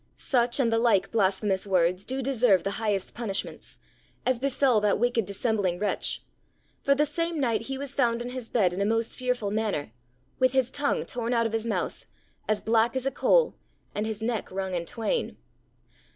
Such and the like blasphemous words do deserve the highest punishments, as befell that wicked dissembling wretch, for the same night he was found in his bed in a most fearful manner, with his tongue torn out of his mouth, as black as a coal, and his neck wrung in twain.